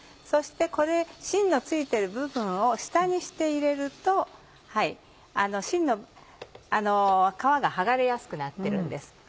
そして芯のついている部分を下にして入れると芯の皮が剥がれやすくなってるんです。